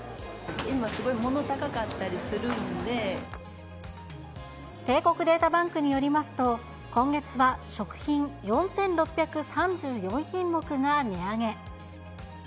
今、帝国データバンクによりますと、今月は食品４６３４品目が値上げ。